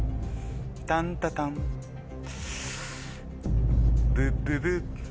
タンタタンブブブー